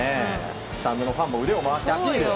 スタンドのファンも腕を回してアピール。